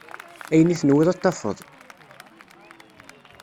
Ayen i tenwiḍ ad t-tafeḍ.